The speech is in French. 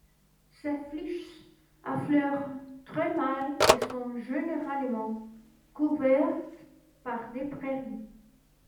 Ces flyschs affleurent très mal et sont généralement couverts par des prairies.